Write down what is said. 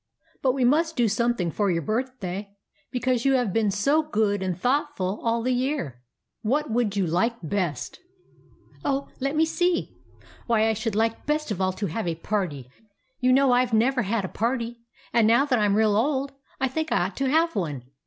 But we must do something for your birthday, because you have been so good and thoughtful all the year. What would you like best ?"" Oh, let me see. Why, I should like best of all to have a party. You know I Ve never had a party ; and now that I 'm real old I think I ought to have one.